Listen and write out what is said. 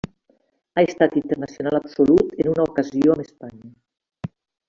Ha estat internacional absolut en una ocasió amb Espanya.